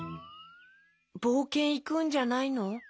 ぼうけんいくんじゃないの？